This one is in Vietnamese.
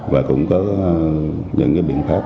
và cũng có những biện pháp